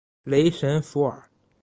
雷神索尔。